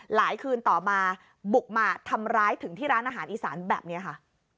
คืนต่อมาบุกมาทำร้ายถึงที่ร้านอาหารอีสานแบบนี้ค่ะ